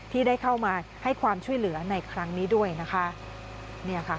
ที่ได้เข้ามาให้ความช่วยเหลือในครั้งนี้ด้วยนะคะ